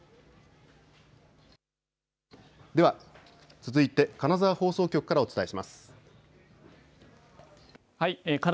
続いて金沢放送局からお伝えします。